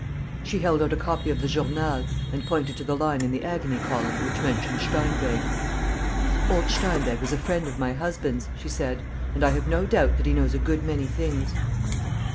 She held out a copy of the Journal and pointed to the line in the agony column which mentioned Steinweg: "Old Steinweg was a friend of my husband's," she said, "and I have no doubt that he knows a good many things."